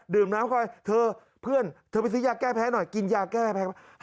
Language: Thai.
เธอไปซื้อยาแก้แพ้หน่อยกินยาแก้แพ้